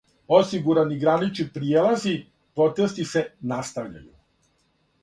Осигурани гранични пријелази, протести се настављају